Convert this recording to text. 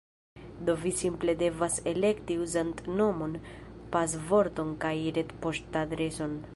Do vi simple devas elekti uzantnomon pasvorton kaj retpoŝtadreson